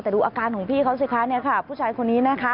แต่ดูอาการของพี่เขาสิคะเนี่ยค่ะผู้ชายคนนี้นะคะ